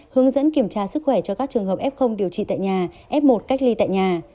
hướng dẫn kiểm tra sức khỏe cho các trường hợp f điều trị tại nhà f một cách ly tại nhà